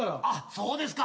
そうですか。